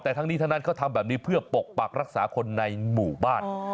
แต่ทั้งนี้ทั้งนั้นเขาทำแบบนี้เพื่อปกปักรักษาคนในหมู่บ้าน